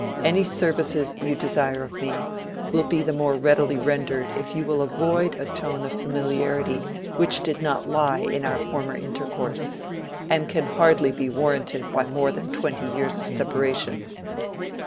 Any services you desire of me will be the more readily rendered if you will avoid a tone of familiarity which did not lie in our former intercourse, and can hardly be warranted by more than twenty years of separation."